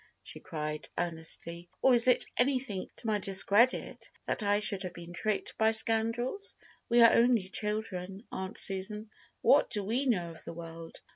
she cried, earnestly. "Or is it anything to my discredit that I should have been tricked by scoundrels? We are only children, Aunt Susan! What do we know of the world?